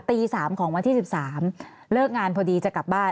ตี๓ของวันที่๑๓เลิกงานพอดีจะกลับบ้าน